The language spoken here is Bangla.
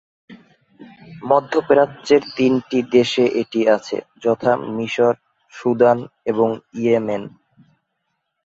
মধ্যপ্রাচ্যের তিনটি দেশে এটি আছে, যথাঃ মিসর, সুদান এবং ইয়েমেন।